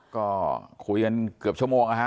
ก็คุยกันเกือบชั่วโมงนะฮะ